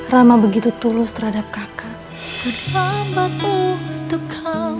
rama begitu tulus terhadap kakak